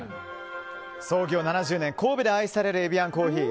創業７０年、神戸で愛されるエビアンコーヒー。